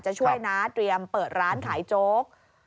จะช่วยนะเตรียมเปิดร้านขายโจ๊ก